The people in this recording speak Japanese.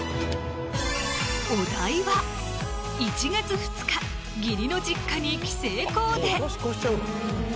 お題は「１月２日義理の実家に帰省コーデ」